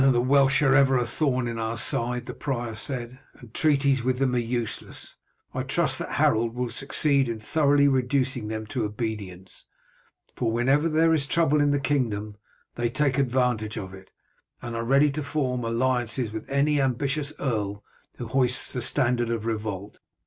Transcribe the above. "The Welsh are ever a thorn in our side," the prior said, "and treaties with them are useless. I trust that Harold will succeed in thoroughly reducing them to obedience, for whenever there is trouble in the kingdom they take advantage of it, and are ready to form alliances with any ambitious earl who hoists the standard of revolt.